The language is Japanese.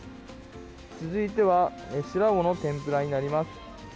続いてはシラウオの天ぷらになります。